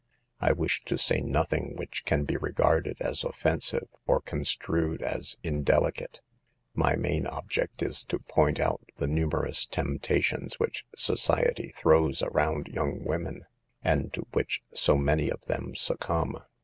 I wish to say nothing which can be regarded as offensive, or construed as indelicate. My main object is to point out the numerous temptations which society throws around young women, and to which so many of them succumb.